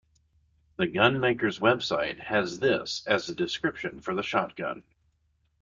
The gun maker's website has this as the description for the shotgun.